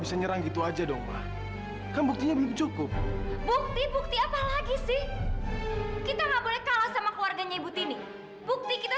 sampai jumpa di video selanjutnya